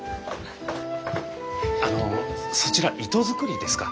あのそちら糸作りですか？